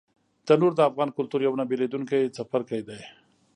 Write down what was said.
تنور د افغان کلتور یو نه بېلېدونکی څپرکی دی